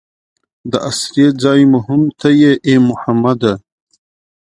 د اسرې ځای مو هم ته یې ای محمده.